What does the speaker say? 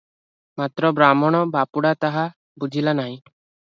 ମାତ୍ର ବ୍ରାହ୍ଣଣ ବାପୁଡା ତାହା ବୁଝିଲା ନାହିଁ ।